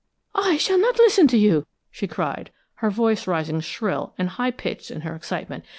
"I shall not listen to you!" she cried, her voice rising shrill and high pitched in her excitement.